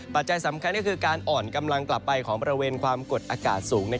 ปัจจัยสำคัญก็คือการอ่อนกำลังกลับไปของบริเวณความกดอากาศสูง